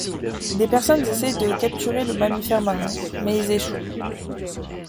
Des personnes essaient de capturer le mammifère marin, mais ils échouent.